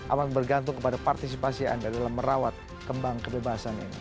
amat bergantung kepada partisipasi anda dalam merawat kembang kebebasan ini